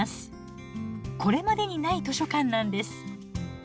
これまでにない図書館なんです。